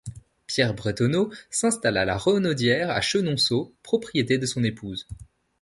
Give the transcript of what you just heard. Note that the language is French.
Pierre Bretonneau s'installe à La Renaudière à Chenonceaux, propriété de son épouse.